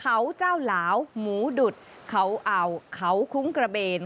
เขาเจ้าหลาวหมูดุดเขาอ่าวเขาคลุ้งกระเบน